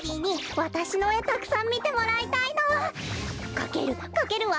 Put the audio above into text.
かけるかけるわ！